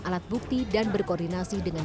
alat bukti dan berkoordinasi dengan